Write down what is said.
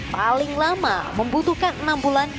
paling lama membutuhkan enam bulan